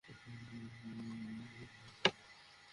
শয়তান, যদি এখনও লুকিয়ে থাকিস, তোর কালো জিহ্বাটা টেনে ছিড়ে ফেলব আমি!